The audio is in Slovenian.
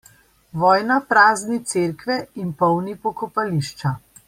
Vojna prazni cerkve in polni pokopališča.